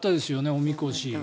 おみこし。